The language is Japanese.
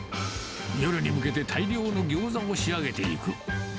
夜に向けて大量のギョーザを仕上げていく。